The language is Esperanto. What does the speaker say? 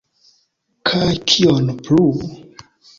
Kaj kion plu?